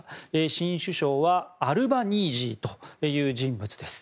新首相はアルバニージーという人物です。